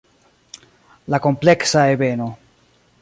La kompleksa ebeno.